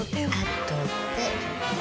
後で。